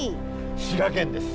滋賀県です。